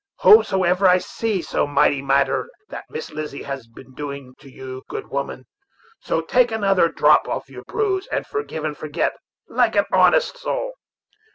Howsomever, I see no such mighty matter that Miss Lizzy has been doing to you, good woman; so take another drop of your brews and forgive and forget, like an honest soul."